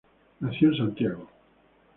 Nació en Santiago.